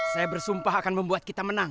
saya bersumpah akan membuat kita menang